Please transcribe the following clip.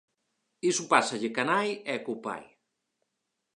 Iso pásalle coa nai e co pai.